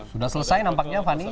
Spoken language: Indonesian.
sudah selesai nampaknya fani